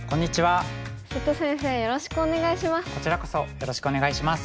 瀬戸先生よろしくお願いします。